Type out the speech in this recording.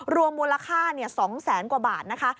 รวมมูลค่า๒แสนกว่าบาทนะคะ